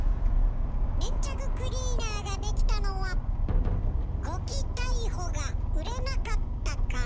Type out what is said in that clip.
粘着クリーナーができたのは「ゴキ逮捕！」が売れなかったから。